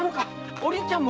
お凛ちゃんも！